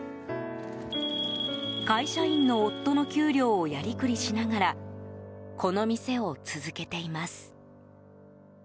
会社員の夫の給料をやりくりしながらこの店を続けています。